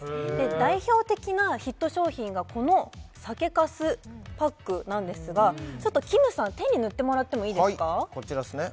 代表的なヒット商品がこの酒粕パックなんですがちょっときむさん手に塗ってもらってもいいですかはいこちらっすね